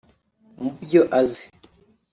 Mu byo azi